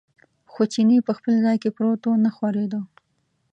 خو چیني په خپل ځای کې پروت و، نه ښورېده.